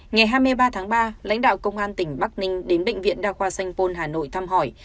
ngày hai mươi ba tháng ba lãnh đạo công an tỉnh bắc ninh đến bệnh viện đa khoa sanh pôn hà nội thăm hỏi